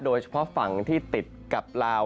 โดยเฉพาะฝั่งที่ติดกับลาว